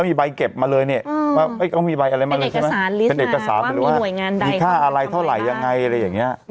มีออร์แกนายซ์มีอะไรอย่างเงี้ย